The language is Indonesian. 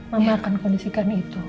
mama akan kondisikan itu